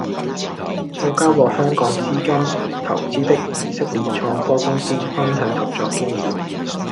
數家獲香港資金投資的以色列創科公司分享合作經驗